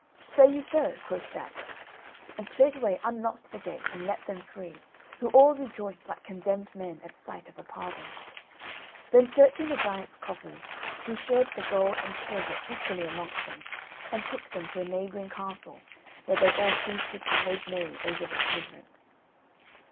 "Say you so," quoth Jack, and straightway unlocked the gate and let them free, who all rejoiced like condemned men at sight of a pardon. Then searching the giant's coffers, he shared the gold and silver equally amongst them and took them to a neighbouring castle, where they all feasted and made merry over their deliverance.